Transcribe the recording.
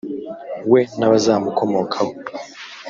we n’abazamukomokaho.